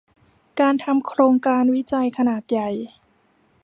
การทำโครงการวิจัยขนาดใหญ่